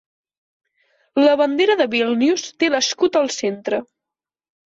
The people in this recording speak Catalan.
La bandera de Vílnius té l'escut al centre.